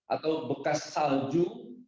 atau bekas salju